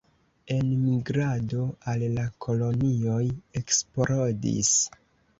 Enmigrado al la kolonioj eksplodis.